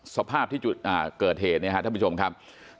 สภาพที่จุดเกิดเหตุเนี่ยครับท่านผู้ชมครับ